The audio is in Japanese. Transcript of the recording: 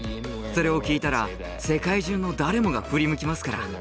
それを聞いたら世界中の誰もが振り向きますから。